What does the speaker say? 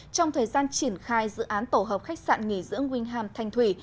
trong thời gian triển khai dự án tổ hợp khách sạn nghỉ dưỡng huynh hàm thanh thủy